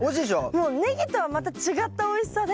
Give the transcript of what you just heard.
もうネギとはまた違ったおいしさで。